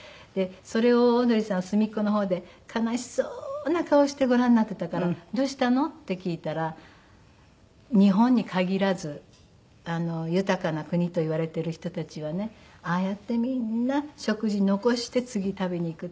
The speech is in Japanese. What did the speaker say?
それをオードリーさんは隅っこの方で悲しそうな顔してご覧になってたから「どうしたの？」って聞いたら「日本に限らず豊かな国といわれてる人たちはねああやってねみんな食事残して次食べに行く」。